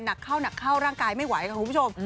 หนักเข้าร่างกายไม่ไหวครับคุณผู้ชม